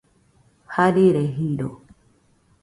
Jarire jiro.